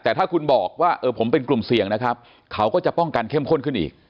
แต่ถ้าคุณบอกว่าผมเป็นกลุ่มเสี่ยงนะครับเขาก็จะป้องกันเข้มข้นขึ้นอีก